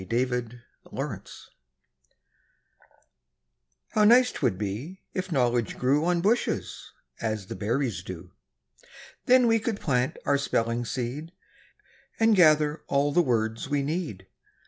EASY KNOWLEDGE How nice 'twould be if knowledge grew On bushes, as the berries do! Then we could plant our spelling seed, And gather all the words we need.